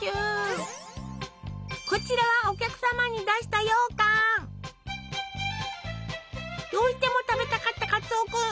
こちらはお客様に出したどうしても食べたかったカツオ君。